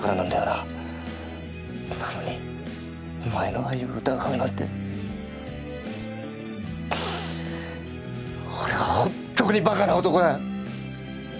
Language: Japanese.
なのにお前の愛を疑うなんて俺は本当にバカな男だ！